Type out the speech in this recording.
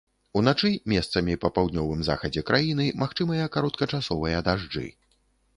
Уначы месцамі па паўднёвым захадзе краіны магчымыя кароткачасовыя дажджы.